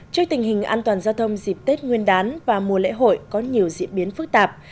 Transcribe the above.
trước tình hình an toàn giao thông dịp tết nguyên đán và mùa lễ hội có nhiều diễn biến phức tạp